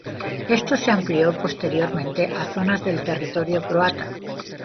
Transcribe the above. Esto se amplió posteriormente a zonas del territorio croata.